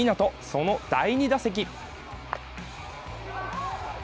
その第２打席。